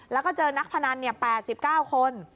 แล้วก็เจอนักพนัน๘๙คน